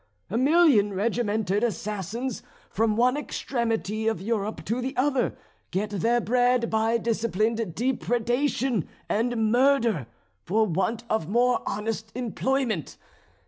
A million regimented assassins, from one extremity of Europe to the other, get their bread by disciplined depredation and murder, for want of more honest employment.